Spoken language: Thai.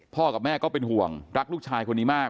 กับแม่ก็เป็นห่วงรักลูกชายคนนี้มาก